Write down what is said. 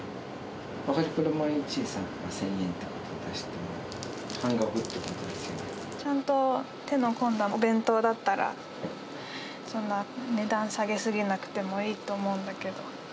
バガリポロ＆マヒーチェを１０００円で出して、半額ってこちゃんと手の込んだお弁当だったら、そんな値段下げすぎなくてもいいと思うんだけど。